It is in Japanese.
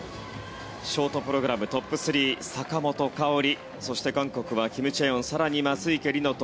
ショートプログラムトップ３坂本花織そして、韓国はキム・チェヨン更に松生理乃と